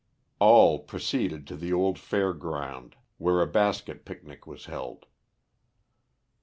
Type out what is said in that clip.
All proceeded to the old fair ground, where a basket picnic was held.